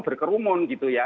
berkerumun gitu ya